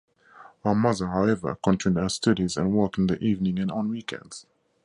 Her mother however continued her studies and worked in the evenings and on weekends.